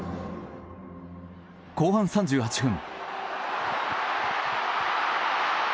後半３８分。